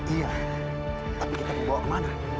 iya tapi kita bawa kemana